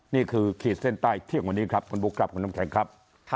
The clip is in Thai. ขีดเส้นใต้เที่ยงวันนี้ครับคุณบุ๊คครับคุณน้ำแข็งครับ